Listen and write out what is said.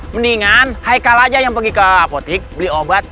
mendingan hikal aja yang pergi ke apotik beli obat